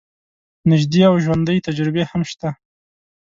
نژدې او ژوندۍ تجربې هم شته.